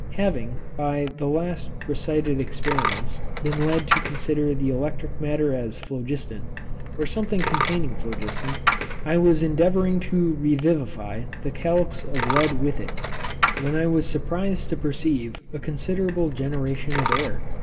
Having, by the last recited experiments, been led to consider the electric matter as phlogiston, or something containing phlogiston, I was endeavouring to revivify the calx of lead with it; when I was surprized to perceive a considerable generation of air.